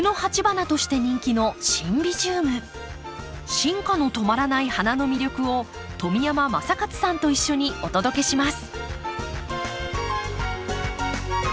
進化の止まらない花の魅力を富山昌克さんと一緒にお届けします。